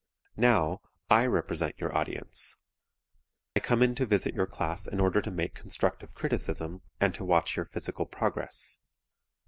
Now, I represent your audience. I come in to visit your class in order to make constructive criticism, and to watch your physical progress.